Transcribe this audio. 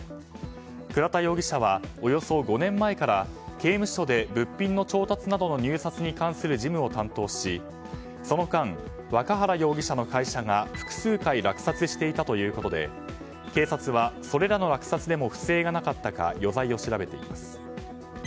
倉田容疑者はおよそ５年前から刑務所で物品の調達などの入札に関する事務を担当しその間、若原容疑者の会社が複数回落札していたということで警察はそれらの落札でも不正がなかったか余罪を調べています。